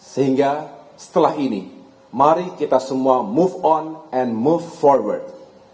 sehingga setelah ini mari kita semua move on and move for world